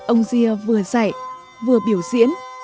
ông diê vừa dạy vừa biểu diễn